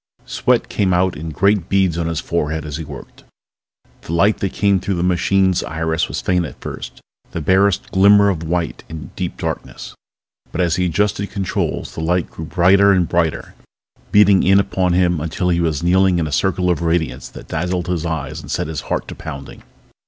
Sweat came out in great beads on his forehead as he worked. The light that came through the machine's iris was faint at first, the barest glimmer of white in deep darkness. But as he adjusted controls the light grew brighter and brighter, beating in upon him until he was kneeling in a circle of radiance that dazzled his eyes and set his heart to pounding.